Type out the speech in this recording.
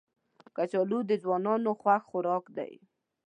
کچالو د ځوانانو خوښ خوراک دی